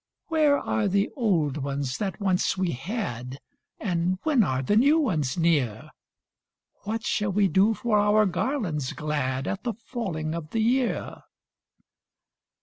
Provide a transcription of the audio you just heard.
Where are the old ones that once we had, And when are the new ones near? What shall we do for our garlands glad At the falling of the year?"